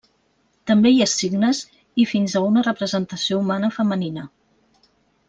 També hi ha signes i fins a una representació humana femenina.